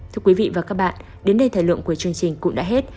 thưa quý vị và các bạn đến đây thời lượng của chương trình cũng đã hết